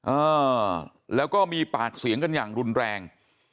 อ่าแล้วก็มีปากเสียงกันอย่างรุนแรง